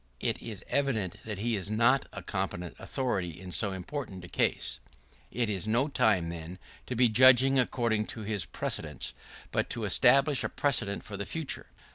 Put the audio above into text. It is evident that he is not a competent authority in so important a case. It is no time, then, to be judging according to his precedents, but to establish a precedent for the future.